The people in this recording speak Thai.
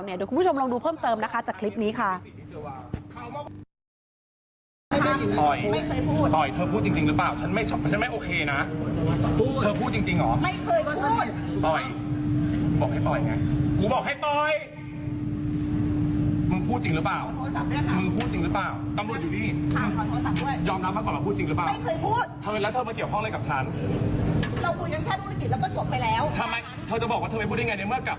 เดี๋ยวคุณผู้ชมลองดูเพิ่มเติมนะคะจากคลิปนี้ค่ะ